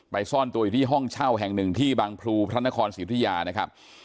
ซ่อนตัวอยู่ที่ห้องเช่าแห่งหนึ่งที่บางพลูพระนครศรีอุทยานะครับ